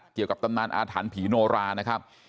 เกี่ยวกับตำนานอาถรรพีโนรานะครับ